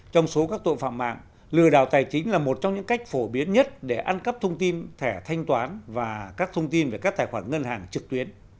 trong số các tội phạm mạng lừa đảo tài chính là một trong những cách phổ biến nhất để ăn cắp thông tin thẻ thanh toán và các thông tin về các tài khoản ngân hàng trực tuyến